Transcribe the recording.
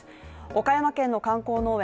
岡山県の観光農園